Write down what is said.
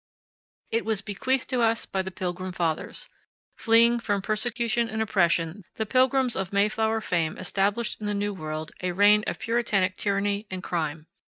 It was bequeathed to us by the Pilgrim fathers. Fleeing from persecution and oppression, the Pilgrims of Mayflower fame established in the New World a reign of Puritanic tyranny and crime.